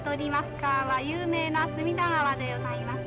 川は有名な隅田川でございます。